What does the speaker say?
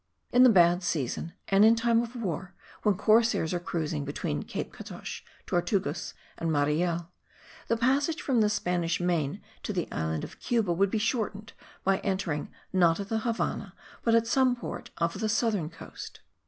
In the bad season and in time of war, when corsairs are cruising between Cape Catoche, Tortugas and Mariel, the passage from the Spanish main to the island of Cuba would be shortened by entering, not at the Havannah, but at some port of the southern coast.